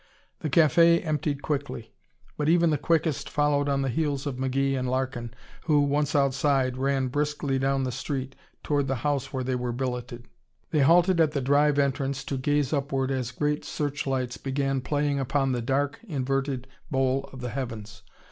The café emptied quickly, but even the quickest followed on the heels of McGee and Larkin who, once outside, ran briskly down the street toward the house where they were billeted. They halted at the drive entrance to gaze upward as great searchlights began playing upon the dark inverted bowl of the heavens.